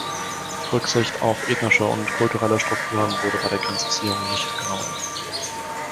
Rücksicht auf ethnische und kulturelle Strukturen wurde bei der Grenzziehung nicht genommen.